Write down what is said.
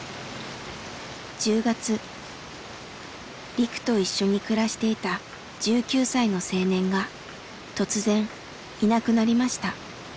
リクと一緒に暮らしていた１９歳の青年が突然いなくなりました。